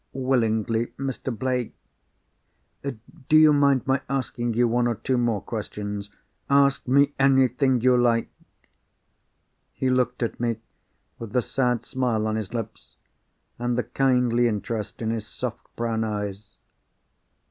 "Willingly, Mr. Blake! Do you mind my asking you one or two more questions?" "Ask me anything you like!" He looked at me with the sad smile on his lips, and the kindly interest in his soft brown eyes.